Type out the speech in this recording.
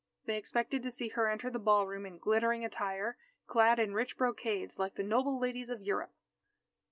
They expected to see her enter the ballroom in glittering attire, clad in rich brocades, like the noble ladies of Europe.